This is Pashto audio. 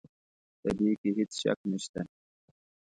په دې کې هېڅ شک نه شته.